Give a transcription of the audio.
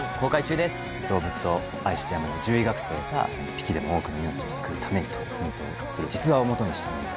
動物を愛してやまない獣医学生が一匹でも多くの命を救うためにと奮闘する実話を基にした物語です。